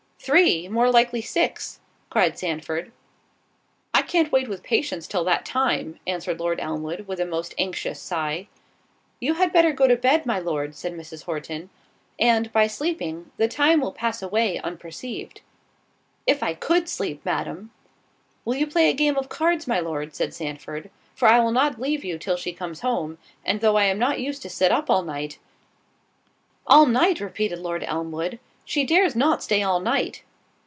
"Three! more likely six," cried Sandford. "I can't wait with patience till that time," answered Lord Elmwood, with a most anxious sigh. "You had better go to bed, my Lord," said Mrs. Horton; "and, by sleeping, the time will pass away unperceived." "If I could sleep, Madam." "Will you play a game of cards, my Lord?" said Sandford, "for I will not leave you till she comes home; and though I am not used to sit up all night——" "All night!" repeated Lord Elmwood; "she dares not stay all night."